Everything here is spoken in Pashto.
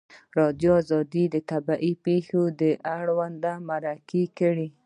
ازادي راډیو د طبیعي پېښې اړوند مرکې کړي.